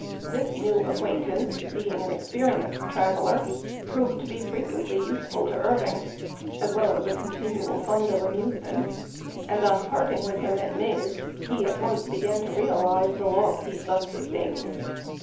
This new acquaintance, being an experienced traveler, proved to be frequently useful to Irv ing, as well as "a continual fund of amusement," and on parting with him at Meze, he at once began to realize the loss thus sustained.